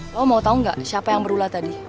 lo mau tau gak siapa yang berulat tadi